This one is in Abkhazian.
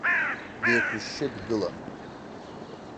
Деиқәышьшьы дгылан.